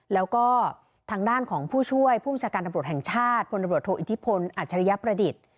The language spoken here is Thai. แล้วก็ทางด้านของผู้ช่วยผู้บัญชาการตำรวจแห่งชาติพลตำรวจโทอิทธิพลอัจฉริยประดิษฐ์